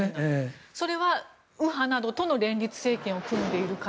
それは右派などとの連立政権を組んでいるから？